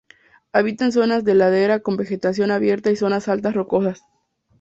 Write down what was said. Habita en zonas de ladera con vegetación abierta y zonas altas rocosas.